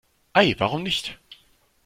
Ei, warum nicht?